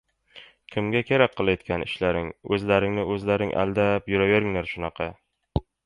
Kimga kerak qilayotgan ishlaring? O'zlaringni o'zlaring aldab yuraverlaring shunaqa!